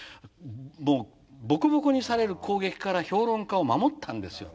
もうボコボコにされる攻撃から評論家を守ったんですよ。